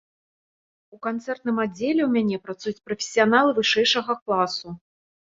У канцэртным аддзеле ў мяне працуюць прафесіяналы вышэйшага класу.